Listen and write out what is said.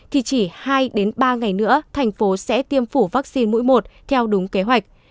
thì chỉ hai ba ngày nữa thành phố sẽ tiêm phủ vaccine mũi một theo đúng kế hoạch